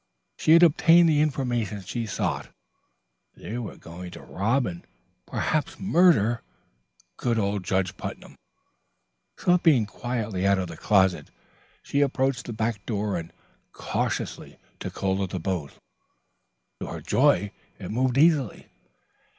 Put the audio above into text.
She had obtained the information she sought. They were going to rob and perhaps murder good old Judge Putnam. Slipping quietly out of the closet, she approached the back door and cautiously took hold of the bolt. To her joy it moved easily.